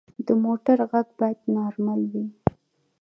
د موټر غږ باید نارمل وي.